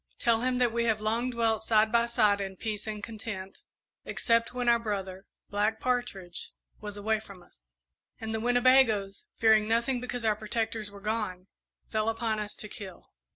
"Tell him that we have long dwelt side by side in peace and content, except when our brother, Black Partridge, was away from us, and the Winnebagoes, fearing nothing because our protectors were gone, fell upon us to kill.